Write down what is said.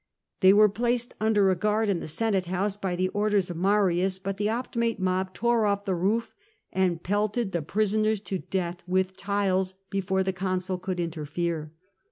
They were placed under a guard in the Senate house by the orders of Marius; but the Optimate mob tore off the roof, and pelted the prisoners to death with tiles before the consul could interfere.